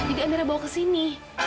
jadi amira bawa ke sini